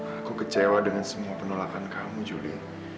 aku kecewa dengan semua penolakan kamu juli